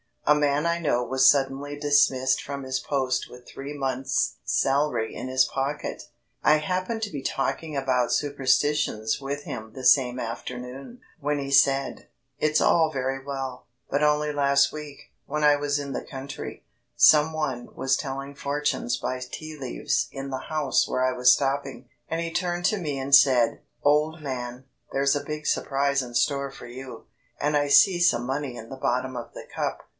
A man I know was suddenly dismissed from his post with three months' salary in his pocket. I happened to be talking about superstitions with him the same afternoon, when he said: "It's all very well, but only last week, when I was in the country, some one was telling fortunes by tea leaves in the house where I was stopping; and he turned to me and said: 'Old man, there's a big surprise in store for you, and I see some money in the bottom of the cup.'